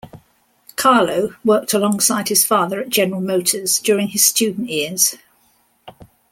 Carlo worked alongside his father at General Motors during his student years.